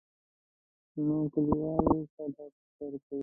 نو کلیوال کډه په سر کوي.